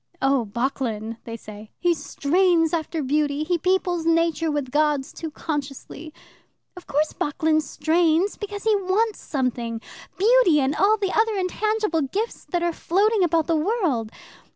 'Oh, Bocklin,' they say; 'he strains after beauty, he peoples Nature with gods too consciously.' Of course Bocklin strains, because he wants something beauty and all the other intangible gifts that are floating about the world.